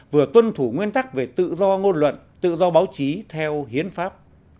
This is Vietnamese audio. vừa tuân thủ nguyên tắc về tự do ngôn luận tự do báo chí theo hiến pháp